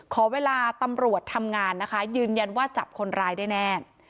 ขอเวลาตำรวจทำงานนะคะยืนยันว่าจับคนร้ายได้แน่